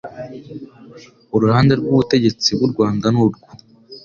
Uruhande rw'ubutegetsi bw'u Rwanda nurwo